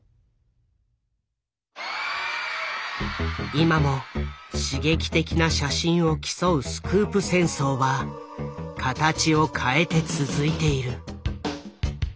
今も刺激的な写真を競うスクープ戦争は形を変えて続いている。